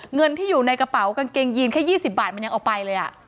เงินที่อยู่ในกระเป๋ากางเกงยีนแค่๒๐บาทมันยังเอาไปเลย